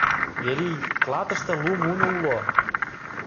Верий, клатыште лу муно уло.